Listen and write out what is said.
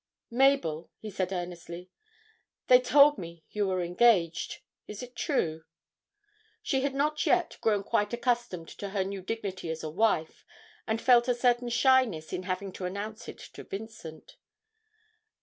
'Mabel,' he said earnestly, 'they told me you were engaged; is it true?' She had not yet grown quite accustomed to her new dignity as a wife, and felt a certain shyness in having to announce it to Vincent.